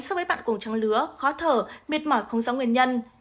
so với bạn cùng trắng lứa khó thở miệt mỏi không rõ nguyên nhân